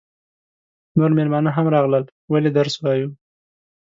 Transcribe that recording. نور مېلمانه هم راغلل ولې درس وایو.